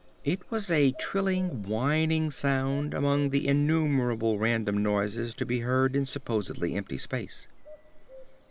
It was a trilling, whining sound among the innumerable random noises to be heard in supposedly empty space.